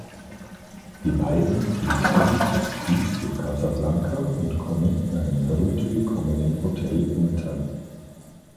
Die beiden flüchten zu Fuß durch Casablanca und kommen in einem heruntergekommenen Hotel unter.